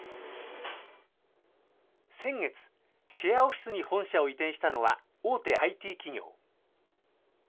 先月、シェアオフィスに本社を移転したのは大手ＩＴ企業。